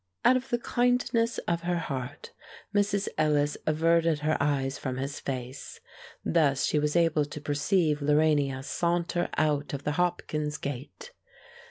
Out of the kindness of her heart Mrs. Ellis averted her eyes from his face; thus she was able to perceive Lorania saunter out of the Hopkins gate.